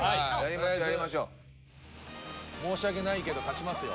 申し訳ないけど勝ちますよ。